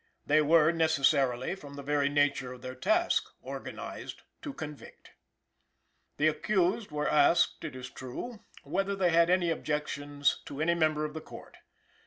They were, necessarily, from the very nature of their task, organized to convict. The accused were asked, it is true, whether they had any objections to any member of the Court.